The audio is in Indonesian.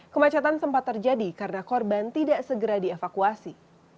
kemacetan sempat terjadi karena korban tidak segera dievakuasi